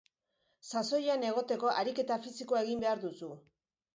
Sasoian egoteko, ariketa fisikoa egin behar duzu